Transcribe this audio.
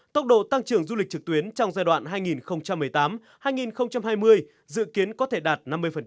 tốc độ tăng trưởng du lịch trực tuyến trong giai đoạn hai nghìn một mươi tám hai nghìn hai mươi dự kiến có thể đạt năm mươi